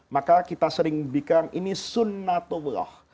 maka kita sering bilang ini sunnatullah